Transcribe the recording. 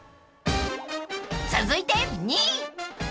［続いて２位］